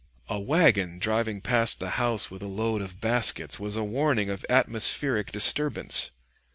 A wagon driving past the house with a load of baskets was a warning of atmospheric disturbance.